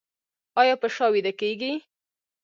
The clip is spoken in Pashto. ایا په شا ویده کیږئ؟